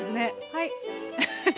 はい。